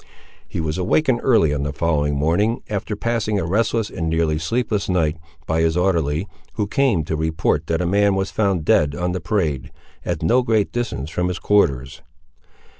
He was awakened early on the following morning, after passing a restless and nearly sleepless night, by his orderly, who came to report that a man was found dead on the parade, at no great distance from his quarters.